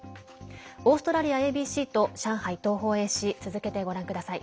オーストラリアＡＢＣと上海東方衛視続けてご覧ください。